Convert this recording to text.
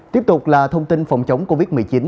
tiếp tục là thông tin phòng chống covid một mươi chín